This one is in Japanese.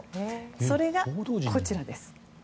それがこちらです。